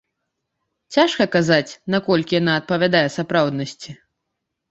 Цяжка казаць, наколькі яна адпавядае сапраўднасці.